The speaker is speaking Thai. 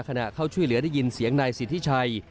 ขณะเข้าช่วยเหลือได้ยินเสียงนายสิทธิชัย